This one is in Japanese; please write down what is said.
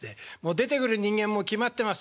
出てくる人間も決まってます。